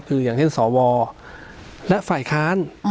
คือยังเช่นสวและไฝ่ค้าน